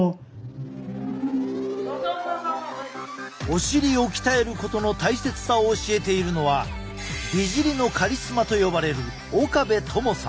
お尻を鍛えることの大切さを教えているのは美尻のカリスマと呼ばれる岡部友さん。